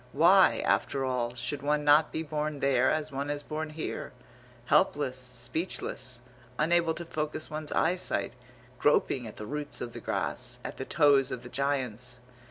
Why, after all, should one not be born there as one is born here, helpless, speechless, unable to focus one's eyesight, groping at the roots of the grass, at the toes of the Giants?